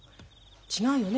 違うよね？